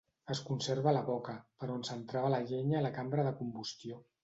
Es conserva la boca, per on s'entrava la llenya a la cambra de combustió.